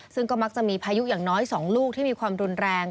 ซึ่งก็มักจะมีพายุอย่างน้อย๒ลูกที่มีความรุนแรง